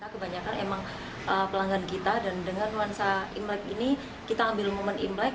kebanyakan emang pelanggan kita dan dengan nuansa imlek ini kita ambil momen imlek